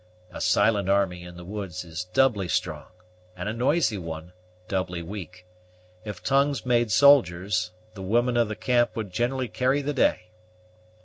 A silent army, in the woods, is doubly strong; and a noisy one, doubly weak. If tongues made soldiers, the women of a camp would generally carry the day."